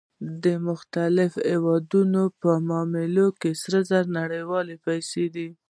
د مختلفو هېوادونو په معاملو کې سره زر نړیوالې پیسې دي